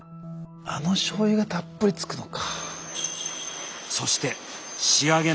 あの醤油がたっぷりつくのか。